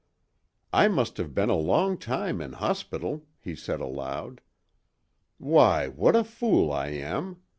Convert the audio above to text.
"I must have been a long time in hospital," he said aloud. "Why, what a fool I am!